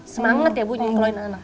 semangat ya bu nyiploin anak